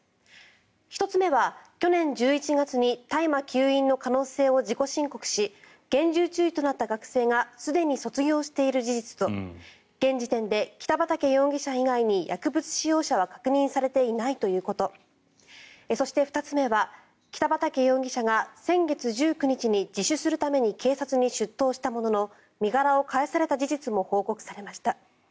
１つ目は去年１１月に大麻吸引の可能性を自己申告し厳重注意となった学生がすでに卒業している事実と現時点で北畠容疑者以外に薬物使用者は確認されていないということそして、２つ目は北畠容疑者が先月１９日に自首するために警察に出頭したものの身柄を返された事実も報告されました。